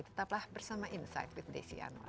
tetaplah bersama insight with desi anwar